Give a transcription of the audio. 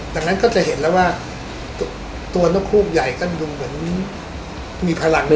ดังนั้นก็จะเห็นแล้วว่าตัวนกฮูกใหญ่ก็ดูเหมือนมีพลัง